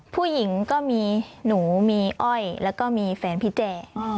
ผู้หญิงก็มีหนูมีอ้อยแล้วก็มีแฟนพี่แจ